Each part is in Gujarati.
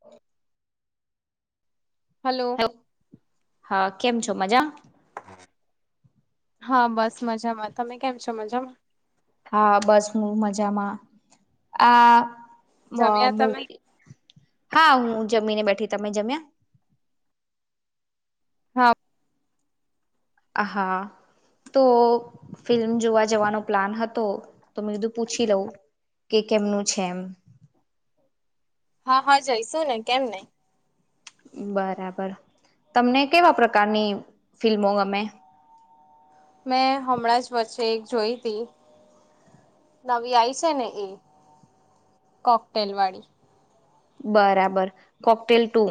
હ [unintelligible] હલો હા કેમ છો મજામા હા બસ મજામાં તમે કેમ છો મજામાં હા બસ હું મજામાં આ મા જમ્યા તમે મૂવી હા હું જમીને બેઠી તમે જમ્યા હા હ હા તો ફિલ્મ જોવા જવાનો પ્લાન હતો તો મેં કીધું પૂછી લઉં કે કેમનું છે એમ હા હા જય શું ને કેમ નઈ બરાબર તમને કેવા પ્રકારની ફિલ્મો ગમે [inaudible] મેં હમણાં જ વચ્ચે એક જોઈ હતી નવી આય છે ને એ કોકટેલ વાળી બરાબર કોકટેલ ટુ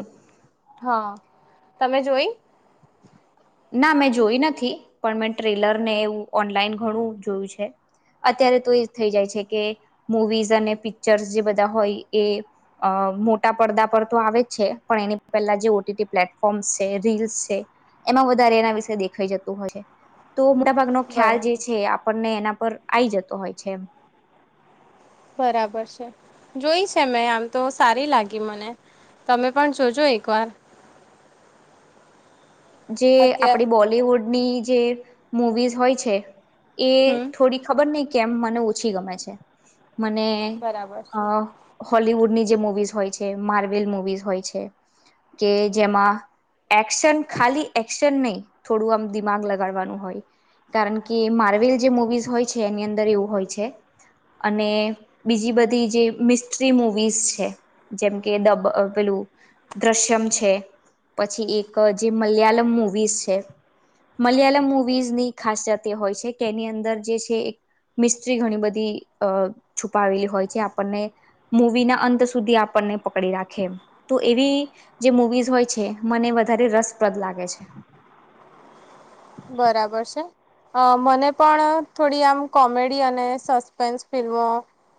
હા તમે જોઈ ના મેં જોઈ નથી પણ મેં ટ્રેલર ને એવું ઓનલાઈન ઘણું જોયું છે. અત્યારે તો એ જ થઈ જાય છે કે મુવીઝ અને પિક્ચર્સ જે બધા હોય એ. અ મોટા પડદા પર તો આવે જ છે પણ એની પહેલા જે ઓટીટી પ્લેટફોર્મ્સ છે રીલ્સ છે. એમાં વધારે એના વિશે દેખાઈ જતું હોય છે તો મોટાભાગનો ખ્યાલ જે બરાબર છે આપણને એના. પર આઈ જતો હોય છે એમ. બરાબર છે જોઈ છે મેં આમ તો સારી લાગી મને. તમે પણ જોજો એક વાર. હ [unintelligible] જે અત્યાર આપડી બોલીવૂડની જે મુવીઝ હોય છે. એ હમ થોડી ખબર નહિ કેમ મને ઓછી ગમે છે. મને એ બરાબર અ છે હોલીવુડની જે મુવીઝ હોય છે માર્વેલ મુવીઝ હોય છે. કે જેમાં એક્શન ખાલી એક્શન નહી થોડું આમ દિમાગ લગાડવાનું હોય કારણ કે માર્વેલ જે મુવીઝ હોય છે એની અંદર એવું હોય છે અને બીજી બધી જે મિસ્ટ્રી મુવીઝ છે. જેમ કે દબ પેલું દ્રશ્યમ છે, પછી એક જે મલયાલમ મુવીઝ છે. મલયાલમ મુવીઝની ખાસયત એ હોય છે કે એની અંદર જે છે મિસ્ત્રી ઘણી બધી અ છુપાવેલી હોય છે, આપણને મૂવીના અંત સુધી આપણને ઐ ને પકડી રાખે, તો એવી જે મુવીઝ હોય છે મને વધારે રસ. પદ લાગે છે. બરાબર છે. અ મને પણ થોડી આમ કોમેડી અને સસ્પેન્સ ફિલ્મો.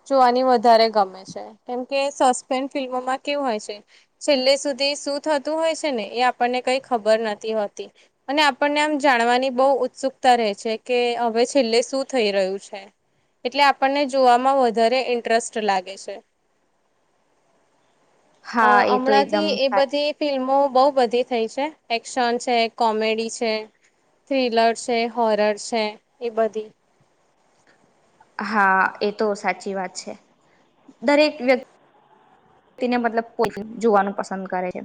જોવાની વધારે ગમે છે કેમ કે સસ્પેન્સ ફિલ્મોમાં કેવું હોય છે છેલ્લે સુધી. ઈશું થતું હોય છે ને એ આપણને કઈ ખબર નથી હોતી અને આપણને આમ. જાણવાની બહુ ઉત્સુકતા રહે છે કે હવે છેલ્લે શું થઈ રહ્યું છે. એટલે આપણને જોવામાં વધારે ઇન્ટરેસ્ટ લાગે છે. [inaudible] અ હા એ તો એકદમ હમણાંથી એ સાચી બધી ફિલ્મો બહુ. બધી થઈ છે, એક્શન છે, કોમેડી છે, થ્રીલર છે, હોરર છે, એ બધી. હા એ તો સાચી વાત છે, દરેક વ્યક્તિ. વ્યક્તિને મતલબ પોતે જોવાનું પસંદ કરે છે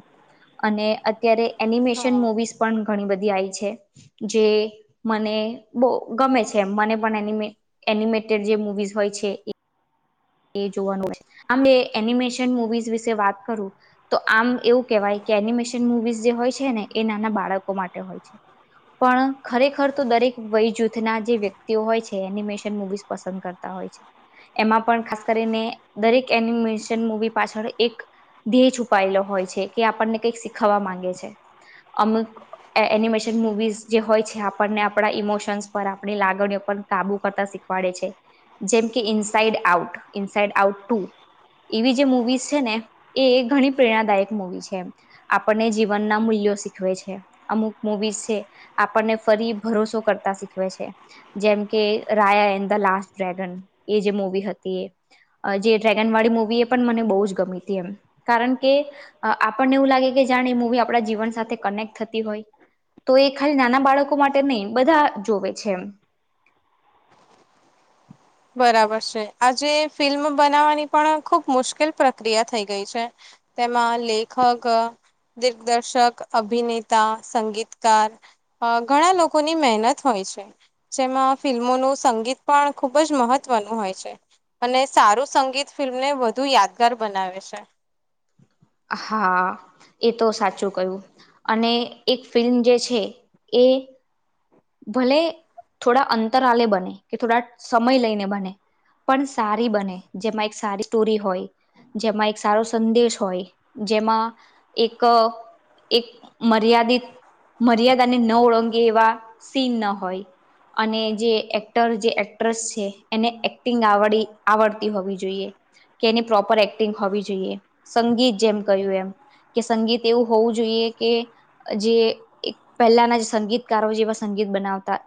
અને અત્યારે. એનિમેશન હા મુવીઝ પણ. ઘણી બધી આવી છે જે મને બહુ ગમે છે એ મને પણ એની મે. એનિમેટેડ જે મૂવીઝ હોય છે એ. એ જોવાનું હે અને એનિમેશન મુવીઝ વિશે વાત કરું તો આમ એવું કેવાય કે એનિમેશન મુવીઝ જે હોય છે ને એ નાના બાળકો માટે હોય છે. પણ ખરેખર તો દરેક વય જૂથના જે વ્યક્તિઓ હોય છે એનિમેશન મુવીઝ પસંદ કરતા હોય. હોય એમાં પણ ખાસ. કરિને દરેક એનિમેશન મુવી પાછળ એક ધ્યેય છુપાયેલો હોય છે કે આપણને. ઈ શીખવવા માંગે છે. અમુક એનિમેશન મુવીઝ જે હોય છે આપણને આપણા ઈમોશન્સ પર આપણી લાગણીઓ પર. પણ કાબુ કરતા શીખવાડે છે જેમ કે inside, out inside, out too. એવી જે મૂવી છે ને એ ઘણી પ્રેરણાદાયક મુવી છે આપણને જીવનના મૂલ્ય. જો શીખવે છે અમુક મુવી છે આપને ફરી ભરોસો કરતા શીખવે છે. જે. જેમ કે Raya and the last dragon એ જે મૂવી હતી એ. જે ડ્રેગન વાળી મુવી એ પણ મને બહુ જ ગમી હતી એમ કારણ કે આપણને એવું લાગે જાણ એ મુવી આપડા જીવન સાથે કનેક્ટ થતી હોય તો એ ખાલી નાના બાળકો માટે નહી બધા જોવે છે, એમ [unintelligible] [inaudible] બરાબર છે આજે ફિલ્મ બનાવવાની પણ ખુબ મુશ્કેલ પ્રક્રિયા થઈ ગઈ છે‌. તેમાં લેખક દિગ્દર્શક, અભિનેતા, સંગીતકાર ઘણા લોકોની મહેનત હોય જેમાં ફિલ્મોનું સંગીત પણ ખુબ જ મહત્વનું હોય છે. અને સારું સંગીત ફિલ્મને વધુ યાદગાર બનાવે છે. હા, એ તો સાચું કહું અને એક ફિલ્મ જે છે એ બે ભલે થોડા અંતર આલે બને કે થોડા સમય લઈને બને પણ સારી બને જેમાં એક સારી સ્ટોરી હોય, જેમાં એક સારો સંદેશ હોય, જેમાં એક એક મર્યાદિત મર્યાદાને ન ઓળંગે એવા સીન ન હોય. અને જે એક્ટર જે એક્ટ્રેસ છે એને એક્ટિંગ આવડી આવડતી હોવી જોઈએ. કે એની પ્રોપર એક્ટિંગ હોવી જોઈએ સંગીત જેમ કહ્યું એમ. કે સંગીત એવું હોવું જોઈએ કે જે એ પહેલાના જે સંગીતકારો જેવા સંગીત. એ બનાવતા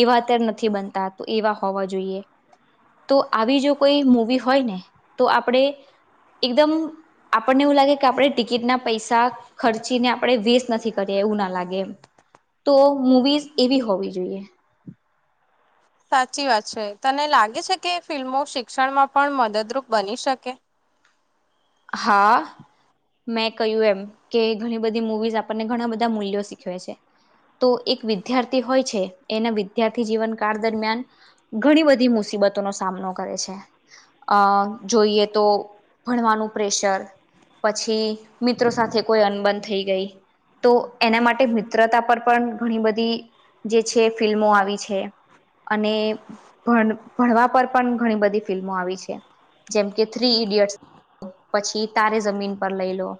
એવા અત્યારે નથી બનતા તો એવા હોવા જોઈએ. તો આવી જો કોઈ મુવી હોય ને તો આપણે એકદમ. આપણને એવું લાગે કે આપણે ટિકિટના પૈસા ખર્ચીને આપણે વેસ્ટ નથી કરીએ એવું ના લાગે. તો મુવીઝ એવી હોવી જોઈએ. સાચી વાત છે તને લાગે છે કે ફિલ્મો શિક્ષણમાં પણ મદદરૂપ બની શકે. હા આ મેં કહ્યું એમ કે ઘણી બધી મુવીઝ આપણને ઘણા બધા મૂલ્યો શીખવે છે તો એક વિદ્યાર્થી હોય છે એના વિદ્યાર્થી જીવનકાળ દરમિયાન ઘણી બધી મુસી બતો નો સામનો કરે છે અ જોઈએ તો ભણવાનું પ્રેશર પછી મિત્રો સાથે કોઈ અનબંધ થઈ ગઈ તો એના માટે મિત્રતા પર પણ ઘણી બધી જે છે ફિલ્મો આવી છે અને ભણ ભણવા પર પણ ઘણી બધી ફિલ્મો આવી છે જેમ કે થ્રી ઈડિયટ્સ પછી તારે જમીન પર લઈ લો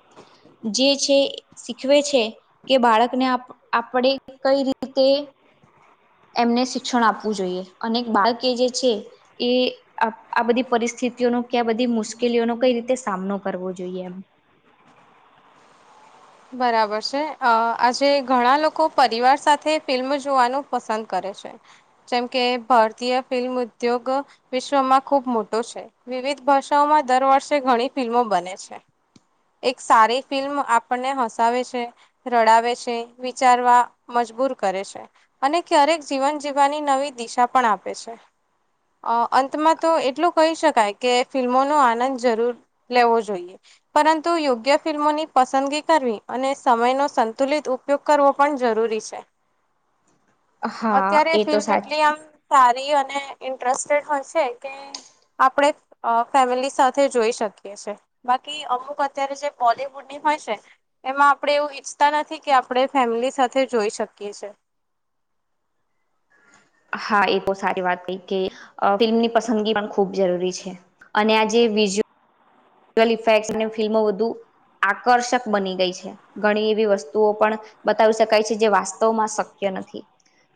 જે છે શીખવે છે કે બાળકને આપણે કઈ રીતે હ એમને શિક્ષણ આપવું જોઈએ અને બાળકે જે છે એ આ બધી પરિસ્થિતિ સ્થિતિઓ ન ક્યા બધી મુશ્કેલીઓનો કઈ રીતે સામનો કરવો જોઈએ એમ [inaudible] બરાબર છે આજે ઘણા લોકો પરિવાર સાથે ફિલ્મ જોવાનું પસંદ કરે જેમ કે ભારતીય ફિલ્મ ઉદ્યોગ વિશ્વમાં ખુબ મોટો છે વીવી વિવિધ ભાષાઓમાં દર વર્ષે ઘણી ફિલ્મો બને છે એક સારી ફિલ્મ આપણને હસાવે છે રડાવે છે વિચારવા મજબૂ મજબૂર કરે છે અને ક્યારેક જીવન જીવવાની નવી દિશા પણ આપે છે અ અંતમાં તો એટલું કહી શકાય કે ફિલ્મોનોો આનંદ જરૂર લેવો જોઈએ પરંતુ યોગ્ય ફિલ્મોની પસંદગી કરવી અને સમયનો સંતુલિત ઉપયોગ કરવો પણ જરૂરી રી છે [inaudible] હા અત્યારે એ તો ફિલ્મ સાચ એટલી આમ સારી અને ઇન્ટરેસ્ટેડ હોય છે કે આપણે ફેમિલી સાથે જોઈ શકીએ છે અમુક અત્યારે જે બોલિવુડની હોય છે એમાં આપડે એવું ઈચ્છતા નથી કે આપણે ફેમિલી સાથે સાથે જોઈ શકીએ છીએ હા, એ બહુ સારી વાત કઈ કે ફિલ્મની પસંદગી પણ ખૂબ જરૂરી છે. અને આજે વી બીજું ટેલીફ્લેક્સ અને ફિલ્મો વધુ આકર્ષક બની ગઈ છે. ઘણી એવી વસ્તુઓ પણ બતાવી શકાય છે જે વાસ્તવમાં શક્ય બ નથી.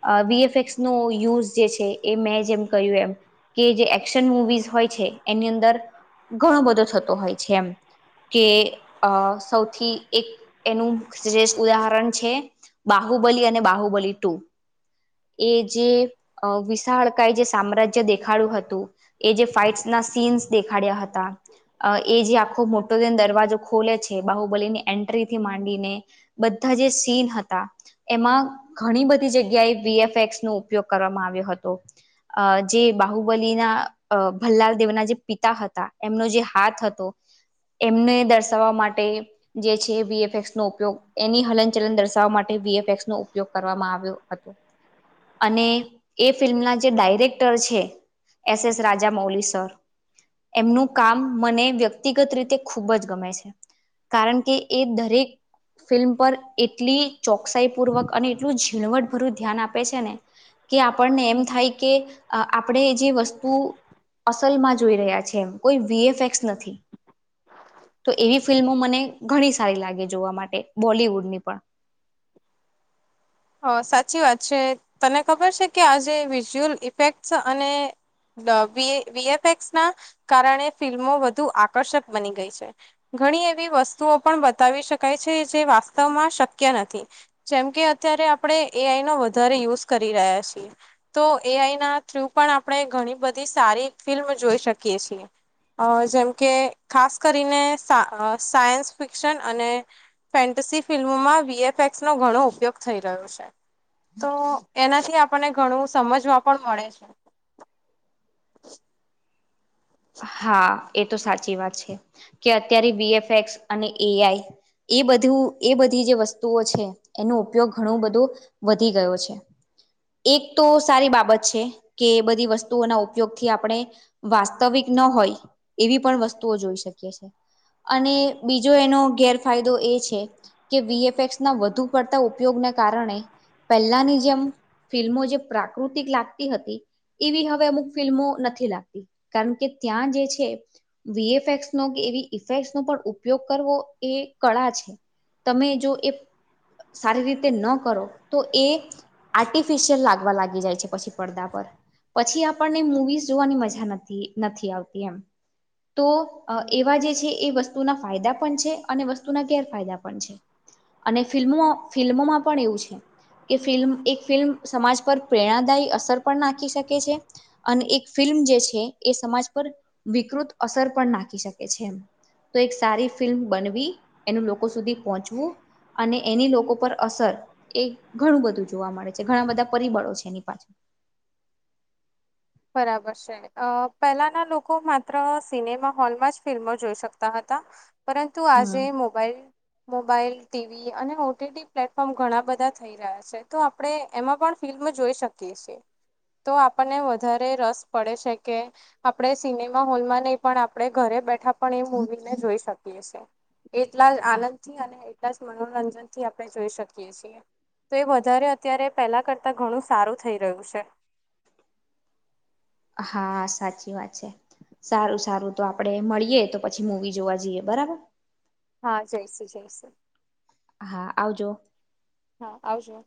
અહ વિફેક્સ નો યુઝ જે છે એ મેં જેમ કહ્યું એમ કે જે એક્શન મુવીઝ હોય છે એની અંદર ઘણો બધો થતો હોય છે એમ. કે અહ સૌથી એક એનું શ્રેષ્ઠ ઉદાહરણ છે બાહુબલી અને બાહુબલી ટુ. એ જે અહ વિશાળ કઈ જે સામ્રાજ્ય દેખાડ્યું હતું એ જે ફાઇટ્સ ન ના સીન્સ દેખાડ્યા હતા. અહ એ જે આખો મોટો જેન દરવાજો ખોલે છે બાહુબલી ની એન્ટ્રી થી માંડીને બધા જે સીન હતા એમાં ઘણી બધી જગ્યાએ વી એફ એક્સ નો ઉપયોગ કરવામાં આવ્યો હતો. અહ જે બાહુબલી ના ભલ્લાલ દેવના જે પિતા હતા એમનો જે હાથ હતો એમને દર્શાવવા માટે જે છે વીએફએક્સ નો ઉપયોગ એની હલન ચલન દર્શાવવા માટે બીએફક્સ નો ઉપયોગ કરવામાં આવ્યો હતો અને એ ફિલ્મના જે ડાયરેક્ટર છે. એસ એસ રાજા મૌલીસર એમનું કામ મને વ્યક્તિગત રીતે ખૂબ જ ગમે છે. કારણ કે એ દરેક ફિલ્મ પર એટલી ચોકસાઈ પૂર્વક અને એટલું ઝીણવટ ભરું ધ્યાન આપે છે ને કે આપણને એમ થાય કે અ આપણે જે વસ્તુ અસલમાં જોઈ રહ્યા છે એમ કોઈ વીએફેક્સ નથી. તો એવી ફિલ્મો મને ઘણી સારી લાગે જોવા માટે બોલિવુડની પણ. [inaudible] હ સાચી વાત છે. તને ખબર છે કે આજે વિઝ્યુઅલ ઇફેક્ટસ અને વે વી એ વી એફે એક્સના કારણે ફિલ્મો વધુ આકર્ષક બની ગઈ છે. ઘણી એવી વસ્તુઓ પણ બતાવી શકાય છે જે વાસ્તવમાં શક્ય નથી. જેમ કે અત્યારે આપણે એ આઈ નો વધારે યુઝ કરી રહ્યા છીએ. તો એ આઈના થ્રુ પણ આપણે ઘ ઘણી બધી સારી ફિલ્મ જોઈ શકીએ છીએ. અહ જેમ કે ખાસ કરીને સા આહ સાયન્સ ફિક્શન અને ફેન્ટ એસી ફિલ્મોમાં વી એફ એક્સનો ઘણો ઉપયોગ થઈ રહ્યો છે. તો એનાથી આપણને ઘણું સમજવા પણ મળે છે. હા, એ તો સાચી વાત છે. કે અત્યારે વી એફ એક્સ અને એ આઈ એ બધું એ બધી જે વસ્તુઓ છે એનો ઉપયોગ ઘણું બધો વધી ગયો છે. એક તો સારી બાબત છે કે બધી વસ્તુઓના ઉપયોગથી આપડે વાસ તવિક ન હોય એવી પણ વસ્તુઓ જોઈ શકીએ છે. અને બીજો એનો ગેરફાયદો એ છે કે વી એફ એક્સ ના વધુ પડતા ઉપયોગ ના કારણે પહેલાની જેમ ફિલ્મો જે પ્રાકૃતિક લાગતી હતી એવી હવે અમુક ફિલ્મો નથી લાગતી. કારણ કે ત્યાં જે છે વી એફ એક્સનો કે એવી ઇફેક્ટનો પણ ઉપયોગ કરવો એ એ કળા છે. તમે જો એ સારી રીતે ન કરો તો એ આર્ટિફિશિયલ લાગવા લાગી જાય છે પછી પડદા પર. પછી આપણને મુવીઝ જોવાની મજા નથ થી નથી આવતી એમ. તો અહ એવા જે છે એ વસ્તુના ફાયદા પન છે અને વસ્તુના ગેરફાયદા પન છે. અને ફિલ્મોમાં ફિલ્મોમાં પણ એવું છે. કે ફિલ્મ એક ફિલ્મ સમાજ પર પ્રેરણાદાયી અસર પણ નાખી શકે છે, અને એક ફિલ્મ ફિલ્મ જે છે એ સમાજ પર વિકૃત અસર પણ નાખી શકે છે એમ. તો એક સારી ફિલ્મ બનવી, એનું લોકો સુધી પહોંચવું અને એની લોકો પર અસર એ ઘણું બધું જોવા મળે છે. ઘણા બધા પરિબળો છે એની પાછળ. [inaudible] બરાબર સે. અ પહેલાના લોકો માત્ર સિનેમા હોલમાં જ ફિલ્મો જોઈ શકતા હતા. પરંતુ આજે હમ મોબાઈલ મોબાઈલ, ટીવી અને ઓટીટી પ્લેટફોર્મ ઘણા બધા થઈ રહ્યા છે, તો આપણે એમાં પણ ફિલ્મ મો જોઈ શકીએ શીએ, તો આપણને વધ વધારે રસ પડે છે કે, આપણે સિનેમા હોલમાં નહીં પણ આપણે ઘરે બેઠા પણ એ મૂવી ને જોઈ શકીએ સીએ, એટલા જ આ આનંદથી અને એટલા જ મનોરંજનથી આપણે જોઈ શકીએ છીએ. તો એ વધારે અત્યારે પહેલા કરતાં ઘણું સારું થઈ રહ્યું છે. [inaudible] હા સાચી વાત છે. સારું સારું તો આપડે મળીએ તો પછી મુવી જોવા જઈએ બરાબર. હા જઈશું જઈશું. હા આવજો હા, આવજો.